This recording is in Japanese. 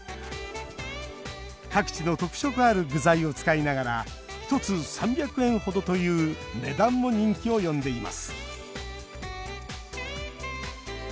各地の特色ある具材を使いながら１つ３００円程という値段も人気を呼んでいます。